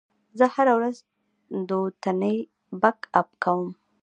زه هره ورځ دوتنې بک اپ کوم.